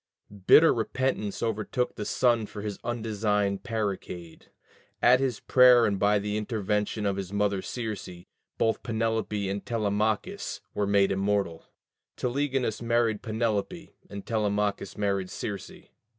Bitter repentance overtook the son for his undesigned parricide: at his prayer and by the intervention of his mother Circe, both Penelope and Telemachus were made immortal: Telegonus married Penelope, and Telemachus married Circe.